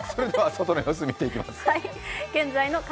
それでは外の様子、見ていきます。